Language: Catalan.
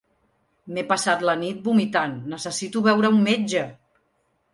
M'he passat la nit vomitant, necessito veure un metge.